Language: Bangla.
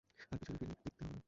আর পিছনে ফিরে দেখতে হবে না।